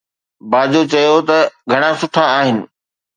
باجو چيو ته گهڻا سٺا آهن